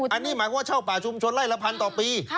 อันนี้หมายความว่าเช่าป่าชุมชนไล่ละพันต่อปี